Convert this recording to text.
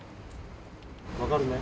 分かるね？